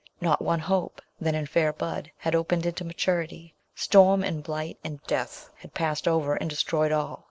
Not one hope, then in fair bud, had opened into maturity ; storm and blight and death had passed over, and destroyed all.